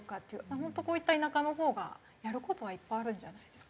本当こういった田舎のほうがやる事はいっぱいあるんじゃないですか。